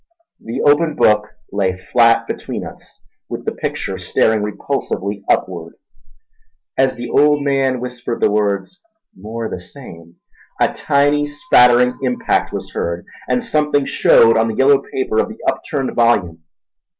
The open book lay flat between us, with the picture staring repulsively upward. As the old man whispered the words "more the same" a tiny spattering impact was heard, and something shewed on the yellowed paper of the upturned volume.